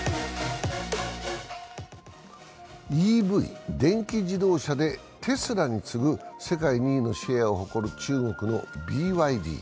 ＥＶ＝電気自動車でテスラに次ぐ世界２位のシェアを誇る中国のＢＹＤ。